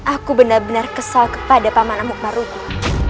aku benar benar kesal kepada paman amuk maruku